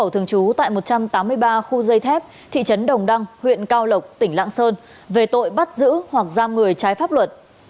thường trú tại một trăm tám mươi ba khu dây thép thị trấn đồng đăng huyện cao lộc tỉnh lạng sơn về tội bắt giữ hoặc giam người trái pháp luật